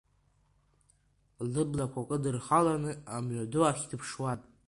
Лыблақәа кыдырхаланы амҩаду ахь дыԥшуан.